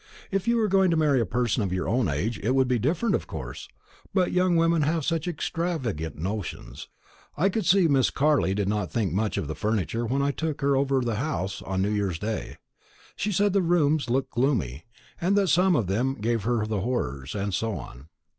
"If you were going to marry a person of your own age, it would be different, of course; but young women have such extravagant notions. I could see Miss Carley did not think much of the furniture when I took her over the house on new year's day. She said the rooms looked gloomy, and that some of them gave her the horrors, and so on.